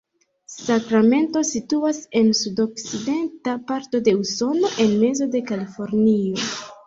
Sakramento situas en sudokcidenta parto de Usono, en mezo de Kalifornio.